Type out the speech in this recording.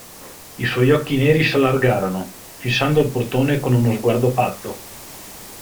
I suoi occhi neri s'allargarono, fissando il portone con uno sguardo pazzo.